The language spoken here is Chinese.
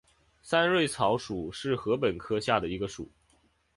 三蕊草属是禾本科下的一个属。